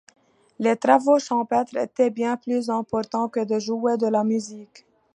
Les travaux champêtres étaient bien plus importants que de jouer de la musique.